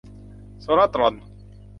โซลาร์ตรอน